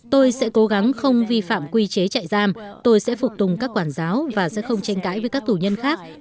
tôi sẽ cố gắng không vi phạm quy chế trại giam tôi sẽ phục tùng các quản giáo và sẽ không tranh cãi với các tù nhân khác